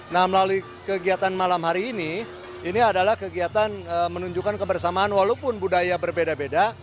nah melalui kegiatan malam hari ini ini adalah kegiatan menunjukkan kebersamaan walaupun budaya berbeda beda